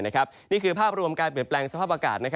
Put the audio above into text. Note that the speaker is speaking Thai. นี่คือภาพรวมการเปลี่ยนแปลงสภาพอากาศ